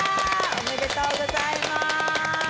おめでとうございます。